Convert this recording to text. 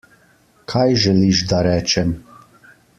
Kaj želiš, da rečem?